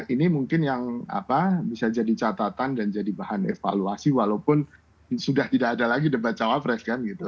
ini mungkin yang bisa jadi catatan dan jadi bahan evaluasi walaupun sudah tidak ada lagi debat cawapres kan gitu